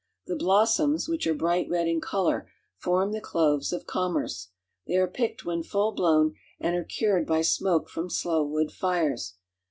The blossoms, which are bright red in color, form the cloves of commerce. They are picked when full blown, and are cured by smoke from slow wood fires.